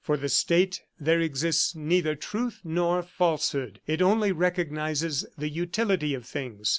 For the State there exists neither truth nor falsehood; it only recognizes the utility of things.